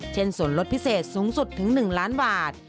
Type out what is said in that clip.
เช่นส่วนลดพิเศษสูงสุดถึง๑ล้านบาท